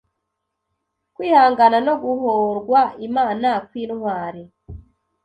Kwihangana no Guhorwa Imana kwIntwari"